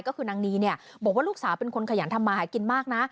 ก็คือนางนีเนี่ยบอกว่าลูกสาวเป็นคนขยันทำมาหากินมากนะ